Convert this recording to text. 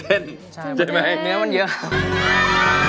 ใช่เนื้อมันเยอะ